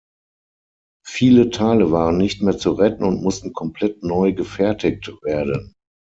Viele Teile waren nicht mehr zu retten und mussten komplett neu gefertigt werden.